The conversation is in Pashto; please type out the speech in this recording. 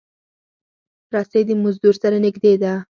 رسۍ د مزدور سره نږدې ده.